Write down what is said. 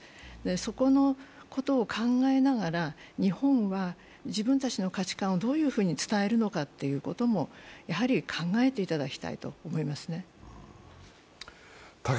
そこのことを考えながら日本は自分たちの価値観をどういうふうに伝えるのかということもやはり考えていただきたいと思いますね。